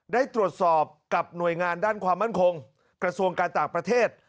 ได้ตรวจสอบกับหน่วยงานด้านความมั่นคงกระทรวงการต่างประเทศ